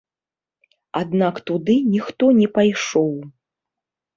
Аднак туды ніхто не пайшоў.